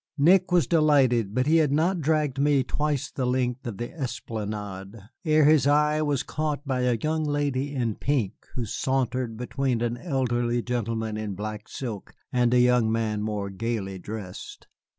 Nick was delighted, but he had not dragged me twice the length of the esplanade ere his eye was caught by a young lady in pink who sauntered between an elderly gentleman in black silk and a young man more gayly dressed.